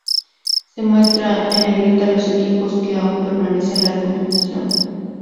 Se muestran en negrita los equipos que aún permanecen en la competición.